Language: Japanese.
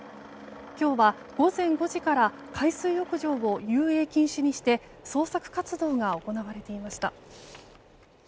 今日は、午前５時から海水浴場を遊泳禁止にして捜索活動が行われていました。